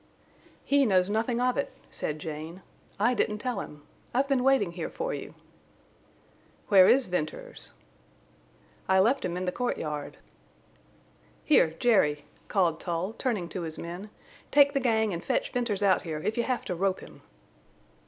"He knows nothing of it;" said Jane. "I didn't tell him. I've been waiting here for you." "Where is Venters?" "I left him in the courtyard." "Here, Jerry," called Tull, turning to his men, "take the gang and fetch Venters out here if you have to rope him."